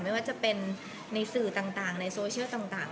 ไม่ว่าจะเป็นในสื่อต่างในโซเชียลต่าง